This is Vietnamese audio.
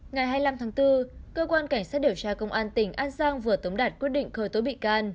ngày hai mươi năm tháng bốn cơ quan cảnh sát điều tra công an tỉnh an giang vừa tống đạt quyết định khởi tố bị can